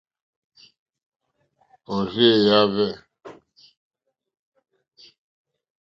Òrzèèyá hwɛ̂.